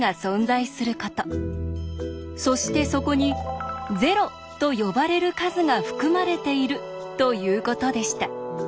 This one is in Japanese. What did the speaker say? そしてそこに「０」と呼ばれる数が含まれているということでした。